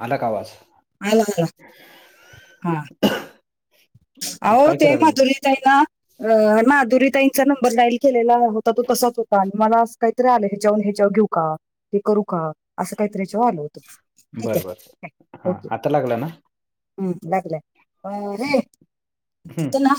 अलग आवाज आला आला हो काय ते करायला ते लागलीस मधुरतायना अ माधुरिताईंचा नंबर डाईल केलेला होता तो तसाच होता. आणि मला अस काही आलं ह्याच्यावरून ह्याच्यावर घेऊ का हे करू का असं काहीतरी ह्याच्यावर आलं होतं. ठीक बर बर हा आता लागला ना. हम् लागलं रे. हम्म तथ ना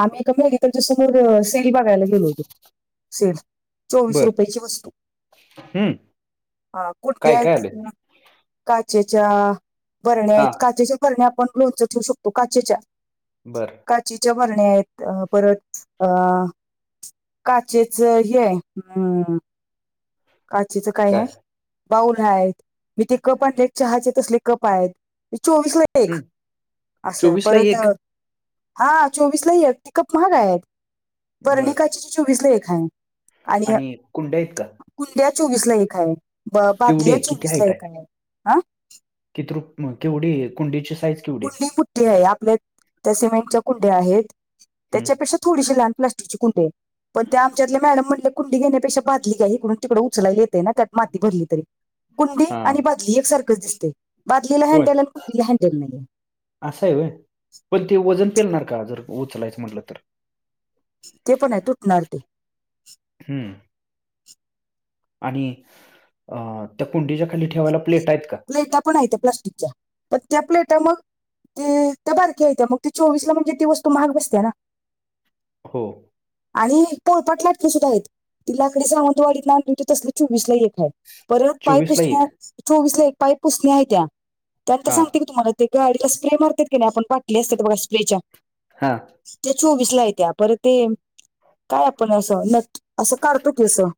आम्ही ए एक मेच्या समोर सेरी बघायला गेलो होतो. सेड चोवीस बर रुपयाेची वस्तू हम्म हा कुठली काय काय आहेत. आले काचेच्या भरण्या हा आहेत काचेच्या भरण्या आपण लोणच ठेवू शकतो काचेच्या. बरं. काचीच्या भरण्या आहेत परत अ काचेच हे हम्. काचीच काय आहे बाऊल आहेत. मी ते कप आण चहाचे तसले. कप आहेत चोवीस ला एक हम्म असं चोवीस ला परत. एक हा चोवीसलाही आहेत पिकअप महाग आहेत बर वर्णिकाचे ज चोवीसला एका आहे. आणि कुंडा आहेतत का. कुंड्या चोवीसला एक आहे. केवढी बादल्या आहे चोवीसला एक आहे. हा कीथ रु केवढी कुंडीची साईज केवढी आहे कुंडी कुठली आहे आपल्या त्या सिमेंटच्या कुंड्या आहेत हम्म त्याच्यापेक्षा थोडीशी लहान प्लास्टिकची कुडे आहे. पण त्या आमच्यातले मॅडम म्हणले कंडी घेण्यापेक्षा बाधली काय इिकडून तिकडडे उचलायला येते ना त्यात मी भरली तरी कुंडी हा आणि बादली एकसारखच दिसते बादलीला होय हँडल आणि कुंडीला हँडेल नाहीये. असं आहे वय पण ते वजन पेलणार का जर उचलायचं म्हटलं तर. ते पण आहे तुटणार ते. हम्म. आणि अ त्या कुंडीच्या खाली ठेवायला प्लेट आहेत का. प्लेटा पण आहेत त्या प्लास्टिकच्या पण त्या प्लेटा मग. ते त्या बारकी्या येत्या मग ती चोवीस ला म्हणजे ती वस्तू महाग बसते ना. हो. आणि पळपाट लाटक सुद्धा आहेत ति लाकडी सावंतवाडीत नाव तसले चोवीस ला एक आहेत. परत पाय चोवीस ला एक पुसणे चोवीसला एक पाय पुसणे आहे त्या त्यानंतर हा सांगते की तुम्हाला ते गाडीला स्प्रे मारतात की नाही आपण पाटली असते बघा स्प्रेच्या हां. त्या चोवीस ला आहेत्या परत ते काय आपण असा नथ. असं काढतो की असं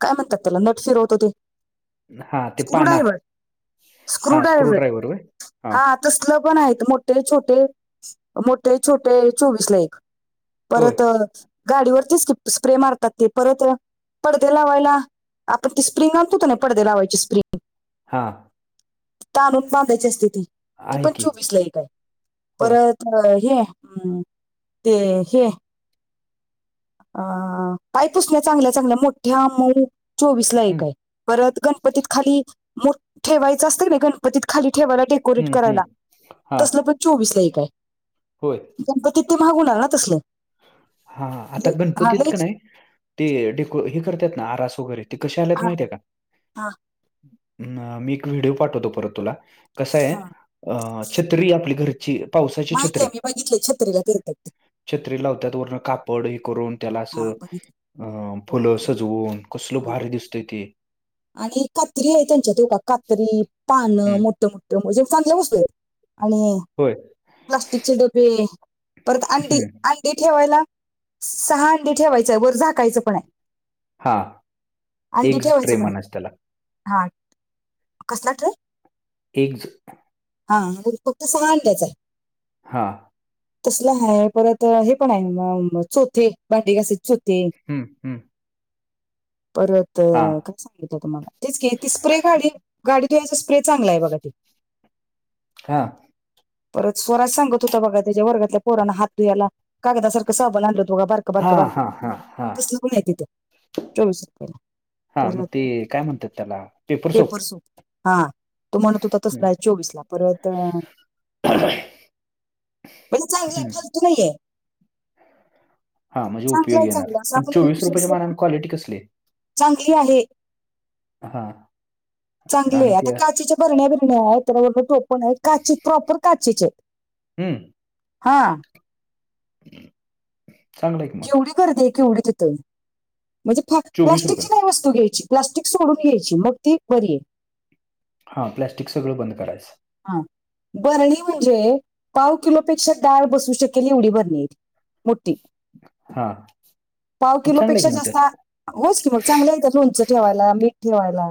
काय म्हणतात त्याला नट फिरवत हो ते. हा तेिपा स्क्रू ना ड्रायव्हर हा स्क्रू ड्रायवर र हा. तसल पण आहेत मोठे छोटे मोठे छोटे चोवीस ला एक. होय परत गाडीवरतीच की स्प्रे मारतात ते परत. पडदे लावायला आपण ती स्प्रिंग आणतोत ना पडदे लावायची स्प्रिंग हां. ताणून बांधायची स्थिती ती आहे पण की चोवीसला एक काय होय परत अ हेम् ते हे. अ काय पुसण्या चांगल्या चांगल्या मोठ्या मऊ चोवीसला हम्म एक आहे परत गणपतीत खाली मो ठेवायचं असतं ना गणपतीत खाली ठेवायलाे. [inaudible] हम्म हम्म करायला हा तसल पण चोवीस ला एक आहे [inaudible] होय गणपतीत ते मागवलं ना तसल. हा आता गणपतीत का लयच नाही ते डेको हे करतात ना आरास वगैरे. ते कसे आल्यात हा माहितीये का हा अ मी एक व्हिडिओ पाठवतो परत तुला. कसंय हा अ छत्री आपली घरची पावसाची माहिती छत्री. आहे मी बघितले छत्रीला करतात ते [inaudible] छत्री लावतात वरण कापड हे करून. त्याला हा असं बघितले अ फुलं बघितले सजवून कसल हा भारी दिसतंय ते. आणि कात्री आहे त्यांच्या [inaudible] कात्री पानं हम्म मोठ मोठ. म्हणजे चांगल्या वस्तू येतं आणि होय - प्लास्टिकचे डबे परत अंडी हम्म [inaudible] ते ठेवायला सहा अंडे ठेवायच ये वर झाकायचं पण ये. हा एग्ज ठेवायचं ट्रे पण आहे म्हणायचं त्याला. हा कसला ट्रे एग्ज हा आणि फक्त सहा अंड्याचा. हा तसलं हाय परत हे पण आहे अ चोथे भांडे घासायचे चोथे. ते हम्म हम्म परत हा अ [inaudible] तुम्हाला तेच की ती स्प्रे गाडीत गाडीत घ्यायचा स्प्रे चांगला ये बघा तो. हा परत स्वराज सांगत होता बघा त्याच्या वर्गातल्या पोरांना हात द्यायला. कागदा सारख साबण आणलं त बघा बारीक हा हा हा हा [unintelligible] तसल पण ये तिथ चोवीस रुपयेला हा मग ते काय म्हणतात त्याला. पेपर सोप पेपरसूप हा तो म्हणत होता हम्म. तसला आहे चोवीसला परत म्हणजे चांगलं ये हम्म. फालतू नाही ये. हां म्हणजे उपयोगी येणार पण चोवीस रुपयाच्या सेल पण मानाने क्वालिटी कसली ये. चांगली आहे. हा चांगली आणि आहे आता ते काचेच्या बरण्या बिरन्या आहेत त्याला वरण टोप [inaudible] पण हे काची प्रॉपर काचीचे येतं हम्म हा चांगलं ये की. [inaudible] गर्दी ये केवढी तिथं म्हणजे फक चोवीस प्लास्टिकची रुपयाला नाही वस्तू घ्यायची. प्लास्टिक सोडून घ्यायची मग ती बरी ये. हा प्लॅस्टिक सगळं बंद करायचं. हा बरणी म्हणजे पाव किलो पेक्षा डाळ बसू शकेल एवढी बरणी. मोठी हा पाव मग चांगलं आहे किलोपेक्षा की मग जास्त होस की मग चांगल्या येत लोणचं ठेवायला मीठ ठेवायला.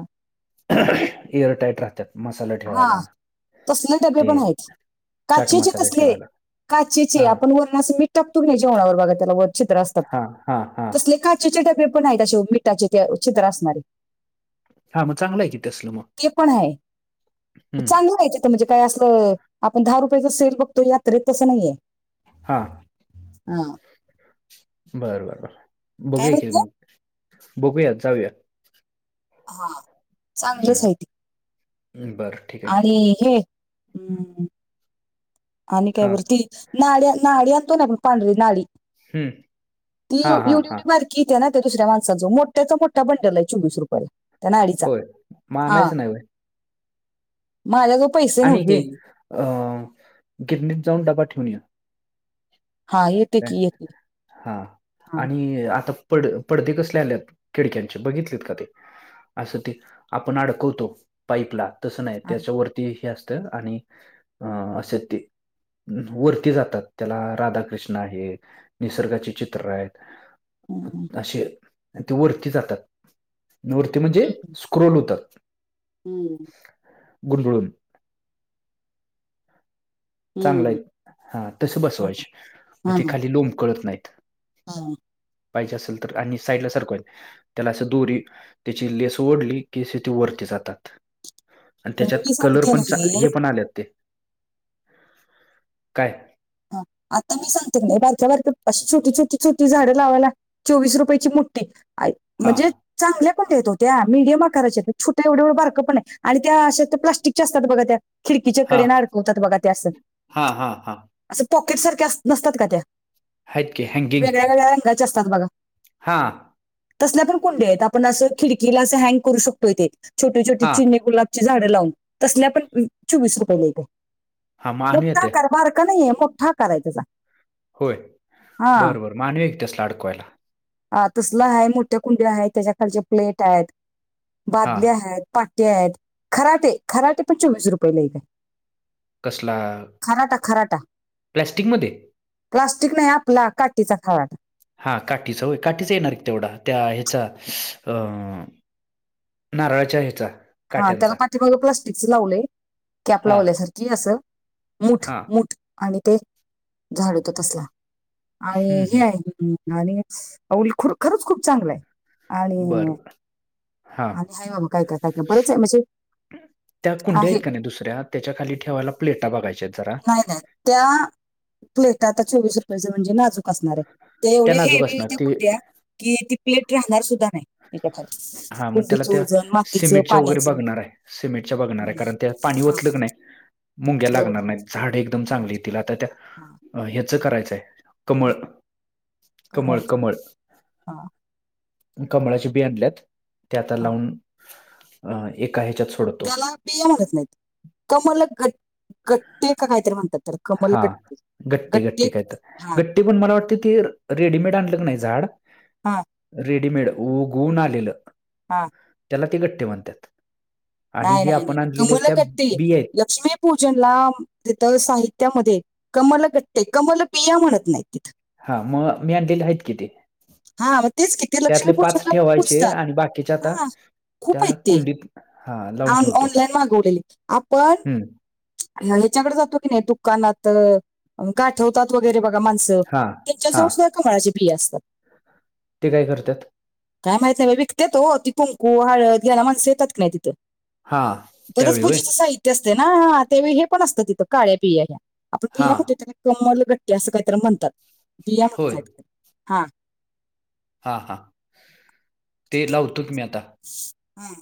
[unintelligible] एअर टाईट राहतात मसाला हा ठेवायला. तसले डबे ते पण आहेत चाट काचेचे मसाला तसले ठेवायला काचेचे हा आपण वर- ते अस मीठ टाकतो की नाही जेवणावर बघा त्याला वर छिद्र असतात हा हा हा तसले काच- काचेचे डबे पण आहेत अशे मिठाचे ते छिद्र असणारे. हा मग चांगलं ये कि तसल मग. ते पण आहे हम्म. चांगलं यायच तर म्हणजे काय अस आपण दहा रुपयाेच सेल बघतो यात्रेत तसं नाहीय. हां. आ. बर बर बर काय बघूया कि म्हणलं? मग बघूया जाऊया. हा. चांगलंच आहे ते हम् बरं. ठीक आहे की आणि हे, अं आणि काय हा बर ती नाडी नाडी आणतो ना आपण पांढरी नाडी. हम्म. [inaudible] ती हा एवडी हा हा एवडी बारकी कि त्या ना त्या दुसऱ्या माणसांच. मोठ्याचा मोठा बंडल आहे चोवीस रुप य त्या नाडीचा, होय. मग हा. आणायचं नाही होय? माझ्याजवळ पैसे आणि हे नव्हते. अ गिरनीत जाऊन ड्बा ठेऊून या. हा येेते की येते. हा हा आणि आता पड पडदे कसले आलेत खिडक्यांचे बघितलेत का ते? असं ते, आपण अडकवतो पाईपला तसं नाही हा त्याच्यावरती हे असत आणि अं अस ते, वरती जातात त्याला राधाकृष्ण ना हे, निसर्गाचे चित्र आहेत. हम्म असे ते वरती जातात, वरती म्हणजे हम्म स्क्रोल होतात. हम्म. गुडबुळून. चांगल हम्म. हायत, हा तस हा बसवायचे, म्हणे हा ते खाली लोंबकळत नाहीत. हा. पाहिजे असेल तर, आणि साईड ला सरकवायचं. त्याला असं दोरी, त्याची लेस ओढली की असे ते वरती जातात. आणि पण त्याच्यात मी कलर सांगते ना पण चा हे पण आलेत ते. [inaudible] काय? ह, आता मी सांगते, बारक्या बारक्या अशी छोटी छोटी छोटी झाडं लावायला चोवीस रुपयाची मोट्टी, आं हा म्हणजे चांगल्या पण देतो, त्या मिडियम आकाराच्या छोट्या एवढेवढे बारक पण हाय, आणि त्या अश्या त्या प्लास्टिकच्या असतात बघा त्या खिडकीच्या हा कडेन अडकवतात बघा ते असं. हा हा हा. असं पॉकेट सारख्या अ नसतात का त्या, आहेत की वेगळ्या वेगळ्या रंगाच्या असतात बघा. हां. तसल्या पण कुंड्या आहेत. आपण असं खिडकीला अस हँग करू शकतोय तेे छोटी छोटी हा चिने गुलाब ची झाड लावून. तसल्या पण चोवीस रुपयला येत्या. हा मग आणूया त्या का नाहीये, मोठा आकारय त्याचा. होय, हा बरं बर मग आणूया की तसल अडकवायला. हा तसलं आहे मोठ्या कुंड्या आहेत‌, त्याच्या खालचे प्लेट आहेत, हा बादल्या आहेत, पा ट्या हायत. खराटे खराटे पण चोवीस रुपयेला येत्या. कसला? खराटा खराटा. प्लॅस्टिकमध्ये? प्लास्टिक नाही आपला काटीचा खराटा. हा काठीच होय, काठीच येणार एक तेवढा. त्या ह्याचा अं नारळाच्या हेचा. हा त्याला पाठीमाग प्लास्टिकचं लावलंय, कॅप हा लावल्यासारखी असं. मुठ हा मुठ आणि ते झाडू ते तसला. आणि हम्म, हे हम्म. आणि अवं, ल खर खरच खूप चांगलं आहे. आणि, बरं हां आणि आहे बाबा काय काय. काय काय बरंच आहे म्हणजे त्या कुंड्या आहे आहेत का नाही दुसऱ्या त्याच्या खाली ठेवायला प्लेटा बघायच्यात. नाही नाही. त्या प्लेटा आता चोवीस रुपयाच म्हणजे नाजूक असणार आहे. ते त्या एवढ्या नाजूक हेवी असणार हायत्या ते कुंड्या कि ती प्लेट राहणार सुद्धा नाही. त्याच्या खाली हा मग त्याला कुंडीचं त्या वजन मातीचं सिमेंटच्या वगैरे पाण्याचं बघणार आहे. सिमेंटच्या बघणार हम्म. आहे. कारण त्या पाणी हा हा ओतलं क नाय मुंग्या बर लागणार बर नाहीत. झाड एकदम चांगली कळालं. येतील. आता त्या ह्याच करायचंय आं कमळाची हां कमळाची बी आणल्यात ते आता हा लावून अ एका ह्याच्यात सोड त्याला बिया म्हणत नाहीत कमल गत गट्टे का काहीतरी म्हणतात? तर हा कमलगट्टी गट्टी हा ते पण मला वाटतंय ते रेडीमेड आणलं का नाही झाड हां. रेडीमेड उगवून आलेलं. हा त्याला ते गट्टे म्हणत्यात. नाही नाही नाही नाही कमल गत्ते बी आहेत लक्ष्मी पूजनला तिथं साहित्यामध्ये कमलगट्टे कमलबिया म्हणत नाहीत तिथं हा मग मी आणलेले आहेत कि ते. हा मग तेच कि, ते त्यातले पाच लक्ष्मीपूजनला पण ठेवायचे पुजतात आणि बाकीचे आता हा. खूप त्या आहेत ते कुंडीत हा लावून ठेवतो ऑनलाईन मागवलय आपण हम्म ह्याच्याकडं जातो की नाही, दुकानात गाट ठेवतात वगैरे बघा माणसं हा त्यांच्याजवळ हा सुद्धा कमळाच्या बिया असतात. ते काय करत्यात? काय माहित नाही बघा विकत्यात ओ ती कुंकू हळद घ्यायला माणसं येतात की नाही तिथं. हा बरच त्यावेळी होय पूजेच साहित्य असतंय ना? हा हा ते हे पण असतं तिथं काळ्या बिया ह्या. आपण हा बिया म्हणतोय त्याला कमलगट्टे असं काहीतरी म्हणतात बिया म्हणत होय नाहीत हा हा हा ते लावतो की मी आता. हम्म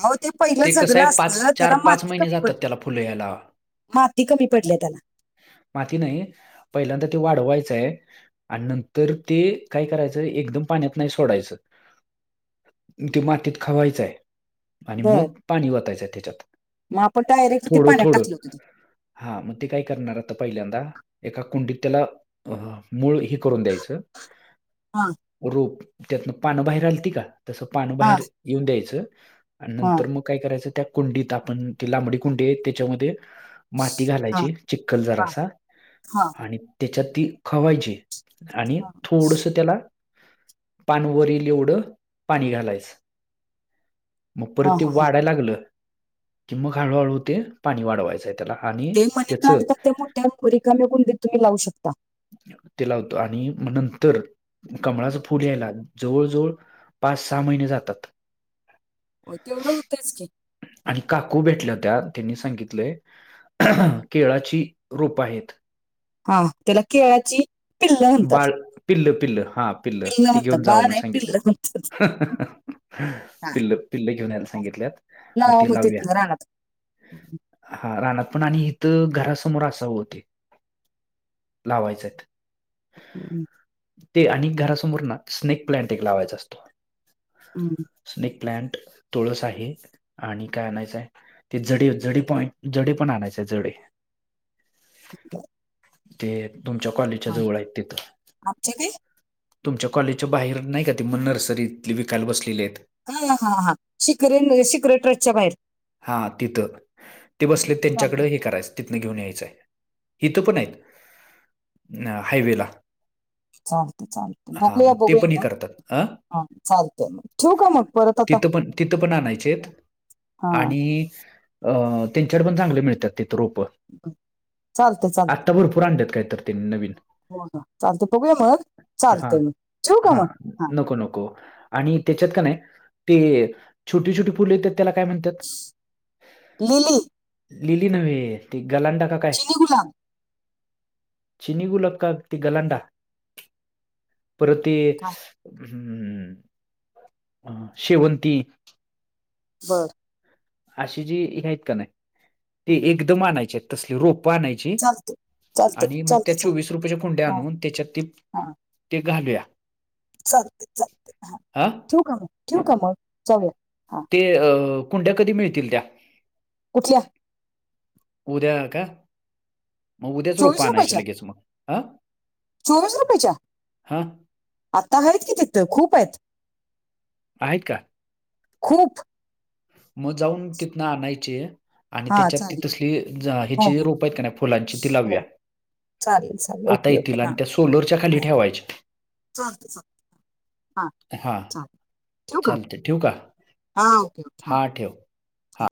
अहो ते पहिलं कसं जगलं आहे पाच असतं चार त्याला पाच माती महिने कमी जातात पडलीया त्याला फुलं यायला माती कमी पडलीया त्याला. माती नाही पहिल्यांदा ते वाढवायचंय आणि नंतर ते काय करायचं एकदम पाण्यात नाही सोडायचं ते मातीत खवायचय आहे. आणि बर मग पाणी वतायचंय त्याच्यात, मग आपण डायरेक्ट ते थोडं पाण्यात थोडं. टाकलं होतं ते हा मग ते काय करणार आता पहिल्यांदा एका कुंडीत त्याला मूळ हे करून द्यायचं हा रोप त्यातनं पानं बाहेर आलती का? तसं पानं हा बाहेर येऊन द्यायचं आणि हा नंतर मग काय करायचं त्या कुंडीत आपण ती लांबडी कुंडी आहे त्याच्यामध्ये माती हा हा घालायची चिखल हा जरासा आणि त्याच्यात ती खवायची आणि हा थोडंसं त्याला पान वर येईल एवढं पाणी घालायचं. मग हा परत ते हा वाढाय लागलं कि मग हळूहळू ते पाणी वाढवायचंय त्याला आणि ते मनी त्याचं प्लांट फक्त ते मोठ्या रिकाम्या कुंडीत तुम्ही लावू शकता. ते लावतो आणि मग नंतर कमळाचं फुल यायला जवळ जवळ पाच सहा महिने जातात. [inaudible] ओ तेवढं होतंयच की. आणि काकू भेटल्या होत्या त्यांनी सांगितलंय केळाची रोपं आहेत. हा त्याला केळाची पिल्ल म्हणतात बाळ पिल्ल पिल्ल हा पिल्ल ते म्हणतात घेऊन जावा बाळ म्हणून नाही पिल्ल म्हणतात सांगितल्यात. पिल्ल पिल्ल घेऊन यायला सांगितल्यात मग लावा ते लावूया. तिथनं रानात [unintelligible] हा रानात पण आणि हित घरासमोर असावं ते लावायच हायत. हम्म. ते आणि घरासमोर ना स्नेक प्लांट एक लावायचा असतो. हम्. स्नेक प्लांट तुळस आहे. आणि काय आणायचंय? ते जडी जडी पॉईंट जडे पण आणायचे आहे जडे. [unintelligible] ते तुमच्या कॉलेजच्या हा. जवळ आहेत तिथं. आमच्या ते तुमच्या कॉलेजच्या बाहेर नाही का ते मग नर्सरीतली विकायला बसलेली आहेत. हा हा हा शिखरे शिखरे ट्रस्टच्या बाहेर. हा तिथं ते बसले त्यांच्याकड चालतं हे करायच तिथंन घेऊन यायचंय इथ पण आहेत हायवेला. चालत चालत हां बघूया ते बघूया पण हे मग. करतात अ हा चालतय. ठेवू का मग परत आता? तिथं पण तिथं पण आणायचे आहेत. हा आणि अ त्यांच्याकड पण चांगले मिळतात तीथ रोप. चालतंय आत्ता भरपूर आणल्यात काय तर त्यांनी नवीन. होना चालतय बघूया मग हां, चालतंय मग. ठेवू का हां. मग? हा नको नको आणि त्याच्यात कणी ते छोटी छोटी फुलं येतात त्याला काय म्हण त्यात. लिली लिली नव्हे ती गलांडा का काय चिनी गुलाब चिनी गुलाब का ते गलांडा? परत ते काय शेवंती. बरं. अशी जी हे आहेत कणी ती हम्म. एकदम आणायचे तसली रोप आणाय ची. चालते चालते आणि मग चालते त्या चालते चोवीस रुपयाच्या कुंड्या हा आणून त्याच्यात ते ते घालूया. चालतय चालतय हा. हां? ठेवू का मग ठेवू का मग? चालेल. ते कुंड्या कधी मिळतील त्या? उद्या. उद्या का मग उद्याच रोप चोवीस आणायची रुपयाच्या लगेच मग ह. चोवीस रुपयाच्या आत्ता आहेत कि तिथं खूप आहेत. आहेत का खूप मग जाऊन तिथंन आणायचे. आणि हा त्याच्यात ती चालेल तसली हो ह्याची हो रोप आहेत का नाही फुलांची ती हो लावूया. चालेल चालेल आता ओके ओके येतील आणि हा त्या सोलरच्या खाली हा. ठेवायच्या. चालत चालत हा हा हां, चालतं ठेवू का चालतंय ठेवू का? हा‌ हां, ठेव.